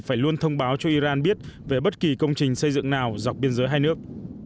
thổ nhĩ kỳ luôn thông báo cho iran biết về bất kỳ công trình xây dựng nào dọc biên giới hai nước